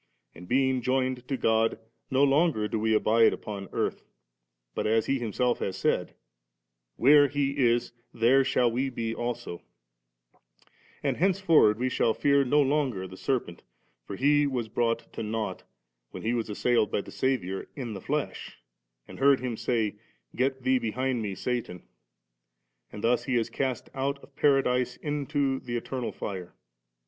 And being jomed to God, no longer do we abide upon earth; but, as He Himself has said, where He is, there shall we be also; and henceforward we shall fear no longer the serpent, for he was brought to nought when he was assailed by the Saviour in the flesh, and heard Him say, 'Get thee behind Me, Satan ^,' and thus he is cast out of paradise into the eternal fire.